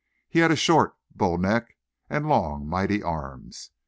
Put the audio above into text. He had a short, bull neck and long, mighty arms.